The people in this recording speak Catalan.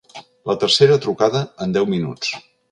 La tercera trucada en deu minuts.